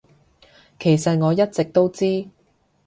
其實我一直都知